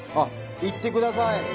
行ってください。